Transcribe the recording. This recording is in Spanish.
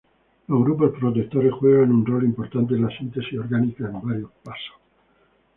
Los grupos protectores juegan un rol importante en la síntesis orgánica en varios pasos.